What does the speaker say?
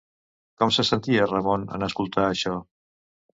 Com se sentia Ramon en escoltar això?